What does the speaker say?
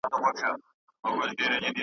د قرنونو توپانونو پښتانه کور ته راوړی .